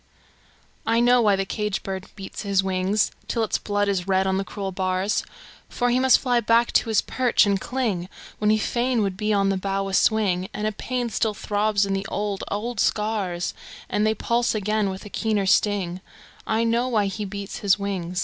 I know why the caged bird beats his wing Till its blood is red on the cruel bars; For he must fly back to his perch and cling When he fain would be on the bough a swing; And a pain still throbs in the old, old scars And they pulse again with a keener sting I know why he beats his wing!